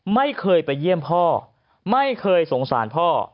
ไม่เคยไปเยี่ยมพ่อไม่เคยสงสารพ่อ